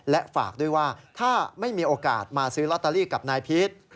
และฝากด้วยว่าถ้าไม่มีโอกาสมาซื้อลอตเตอรี่กับนายพีช